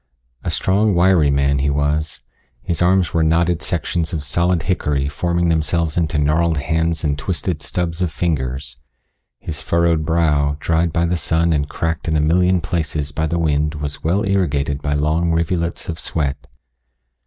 A strong, wiry man he was his arms were knotted sections of solid hickory forming themselves into gnarled hands and twisted stubs of fingers. His furrowed brow, dried by the sun and cracked in a million places by the wind was well irrigated by long rivulets of sweat.